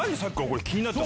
これ気になった。